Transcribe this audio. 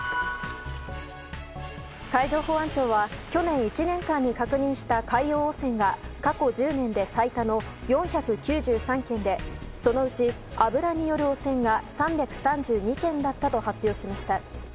海上保安庁は去年１年間に確認した海洋汚染が過去１０年で最多の４９３件でそのうち油による汚染が３３２件だったと発表しました。